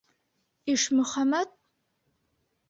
Ишмөхәмәт?!